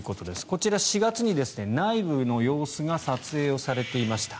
こちら、４月に内部の様子が撮影されていました。